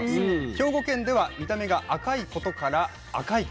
兵庫県では見た目が赤いことから「アカイカ」。